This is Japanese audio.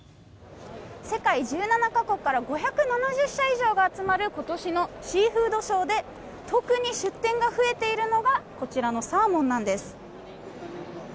世界１７か国から５７０社以上が集まる今年のシーフードショーで特に出展が増えているのがこちらのサーモンなんです。